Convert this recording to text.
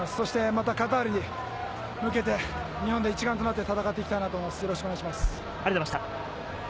またカタールに向けて日本で一丸となって戦っていきたいと思います。